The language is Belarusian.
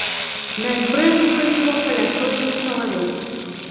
На імпрэзу прыйшло каля сотні чалавек.